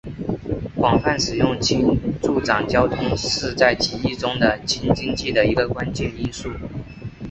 广泛使用氢助长交通是在提议中的氢经济的一个关键因素。